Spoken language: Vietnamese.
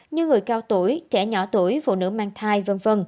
như người cao tuổi trẻ nhỏ tuổi phụ nữ mang thai v v